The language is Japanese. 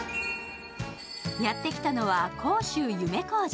やってきたのは甲州夢小路。